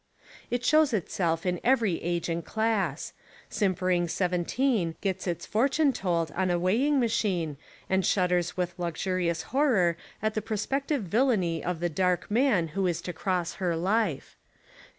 It shows Itself In every age and class. Sim pering Seventeen gets its fortune told on a weighing machine, and shudders with luxuri ous horror at the prospective villainy of the Dark Man who is to cross her life.